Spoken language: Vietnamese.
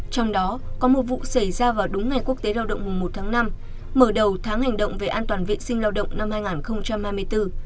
trong đó có một vụ xảy ra vào đúng ngày quốc tế lao động mùa một tháng năm mở đầu tháng hành động về an toàn vệ sinh lao động năm hai nghìn hai mươi bốn